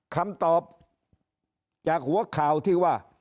คำตอบจากหัวข่าวที่ว่า